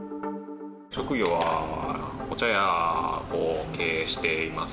職業はお茶屋を経営しています。